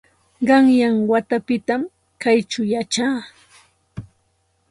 Qanyan watapitam kaćhaw yachaa.